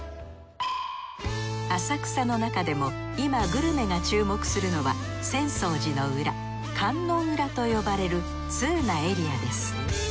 浅草のなかでも今グルメが注目するのは浅草寺の裏観音裏と呼ばれる通なエリアです。